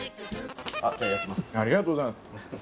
ありがとうございます